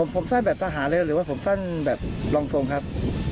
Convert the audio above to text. ผมสั้นแบบทหารเลยหรือว่าผมสั้นแบบรองทรงครับ